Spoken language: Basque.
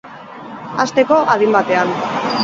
Hasteko, adin batean.